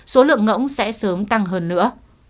số lượng ngỗng sẽ sớm tăng hơn nữa